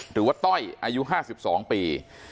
หรือว่าต้อยอายุ๕๒ปี